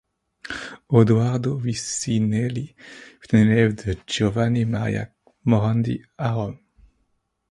Odoardo Vicinelli fut un élève de Giovanni Maria Morandi à Rome.